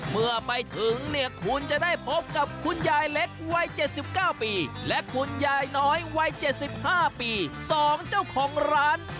เมื่อไปถึงเนี่ยคุณจะได้พบกับคุณยายเล็กวัย๗๙ปีและคุณยายน้อยวัย๗๕ปี๒เจ้าของร้าน